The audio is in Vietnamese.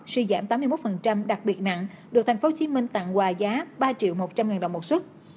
suy giảm tám mươi một đặc biệt nặng được tp hcm tặng quà giá ba triệu một trăm linh đồng một xuất